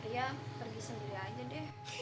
ya pergi sendiri aja deh